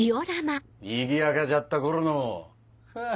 にぎやかじゃった頃のフッ。